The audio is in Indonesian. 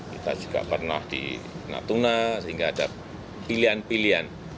kita juga pernah di natuna sehingga ada pilihan pilihan